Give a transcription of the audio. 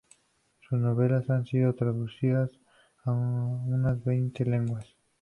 Sus novelas han sido traducidas a una veintena de lenguas.